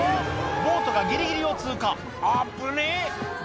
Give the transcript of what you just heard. ボートがギリギリを通過あっぶねぇ！